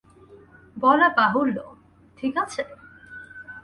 বলা বাহুল্য, ঠিক আছে?